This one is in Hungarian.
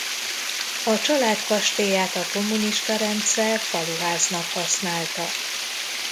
A család kastélyát a kommunista rendszer faluháznak használta.